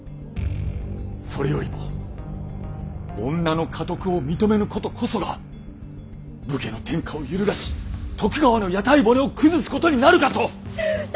それよりも女の家督を認めぬことこそが武家の天下を揺るがし徳川の屋台骨を崩すことになるかと。